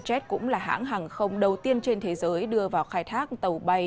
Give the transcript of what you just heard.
jet cũng là hãng hàng không đầu tiên trên thế giới đưa vào khai thác tàu bay